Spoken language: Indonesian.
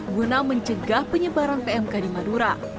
guna mencegah penyebaran pmk di madura